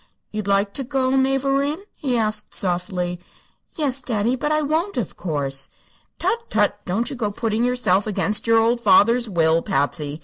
"You'd like to go, mavourneen?" he asked, softly. "Yes, daddy; but I won't, of course." "Tut tut! don't you go putting yourself against your old father's will, Patsy.